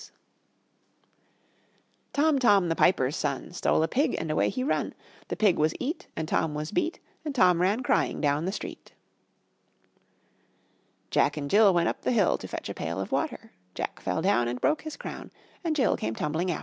Tom, Tom, the piper's son, Stole a pig, and away he run; The pig was eat, And Tom was beat, And Tom ran crying down the street. Jack and Jill went up the hill To fetch a pail of water; Jack fell down and broke his crown, And Jill came tumbling after.